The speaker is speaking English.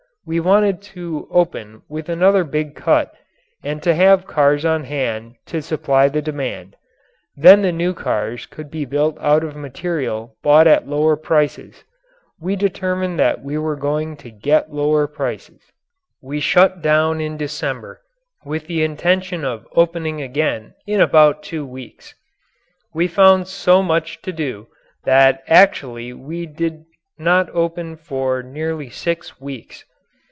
We wanted to open with another big cut and to have cars on hand to supply the demand. Then the new cars could be built out of material bought at lower prices. We determined that we were going to get lower prices. We shut down in December with the intention of opening again in about two weeks. We found so much to do that actually we did not open for nearly six weeks.